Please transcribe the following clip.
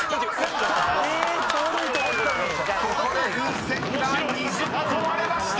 ［ここで風船が２０個割れました！］